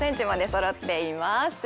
そろっています・